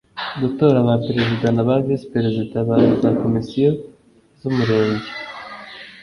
Gutora ba Perezida na ba Visi Perezida ba za Komisiyo z Umurenge